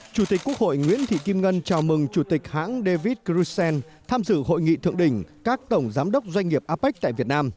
chủ tịch quốc hội nguyễn thị kim ngân chào mừng chủ tịch hãng david grussen tham dự hội nghị thượng đỉnh các tổng giám đốc doanh nghiệp apec tại việt nam